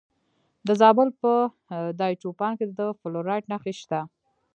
د زابل په دایچوپان کې د فلورایټ نښې شته.